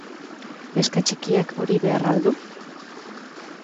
Neska txikiak hori behar al du?